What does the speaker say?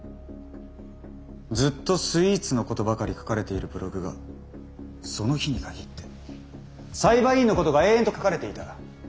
ずっとスイーツのことばかり書かれているブログがその日に限って裁判員のことが延々と書かれていた。